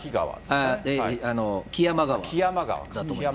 木山川だと思います。